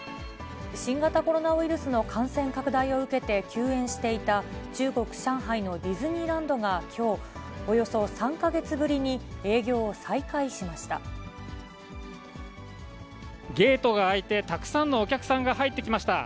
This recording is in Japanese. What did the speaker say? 新型コロナウイルスの感染拡大を受けて休園していた、中国・上海のディズニーランドがきょう、およそ３か月ぶりに営業ゲートが開いて、たくさんのお客さんが入ってきました。